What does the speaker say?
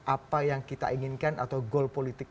apa yang kita inginkan atau goal politik